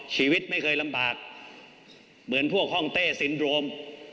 ชีวิตไม่เคยลำบากเหมือนพวกห้องเต้ซินโดรม